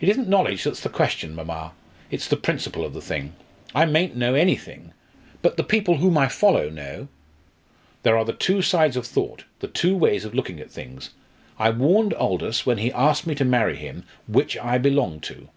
"It isn't knowledge that's the question, mamma; it's the principle of the thing. I mayn't know anything, but the people whom I follow know. There are the two sides of thought the two ways of looking at things. I warned Aldous when he asked me to marry him which I belonged to.